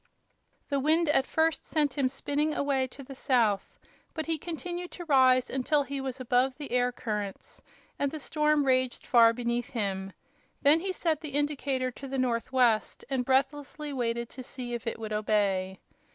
The wind at first sent him spinning away to the south, but he continued to rise until he was above the air currents, and the storm raged far beneath him. Then he set the indicator to the northwest and breathlessly waited to see if it would obey.